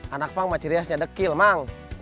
anak pang masih riasnya dekil mak